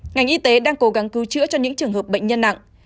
ngành y tế đang cố gắng cứu chữa cho những trường hợp bệnh nhân nặng